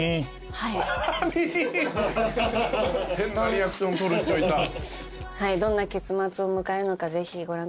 はいどんな結末を迎えるのかぜひご覧ください。